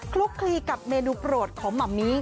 คลุกคลีกับเมนูโปรดของหม่ำมี่